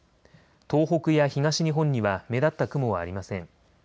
東北や東日本には目立った雲はありません。